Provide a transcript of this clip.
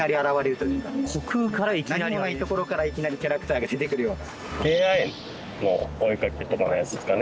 何もないところからいきなりキャラクターが出てくるような。